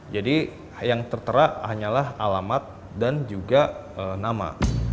jadi yang tertera hanyalah alamat dan juga nama